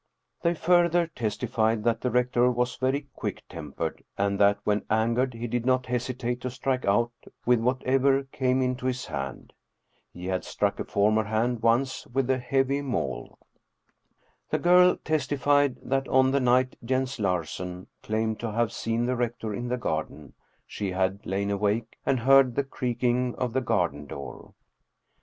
" They further testified that the rector was very quick tempered, and that when angered he did not hesitate to strike out with whatever came into his hand. He had struck a for mer hand once with a heavy maul. The girl testified that on the night Jens Larsen claimed to have seen the rector in the garden, she had lain awake and heard the creaking of the garden door.